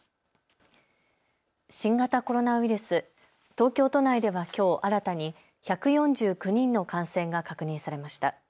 新型コロナウイルス、東京都内ではきょう新たに１４９人の感染が確認されました。